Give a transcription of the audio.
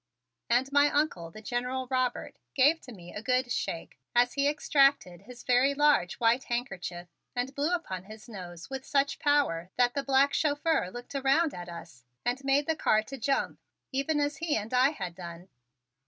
And my Uncle, the General Robert, gave to me a good shake as he extracted his very large white handkerchief and blew upon his nose with such power that the black chauffeur looked around at us and made the car to jump even as he and I had done.